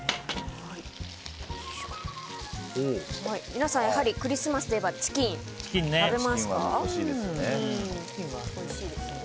皆さん、クリスマスといえばチキン食べますよね。